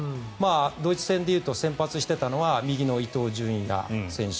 ドイツ戦でいうと先発していたのは右の伊東純也選手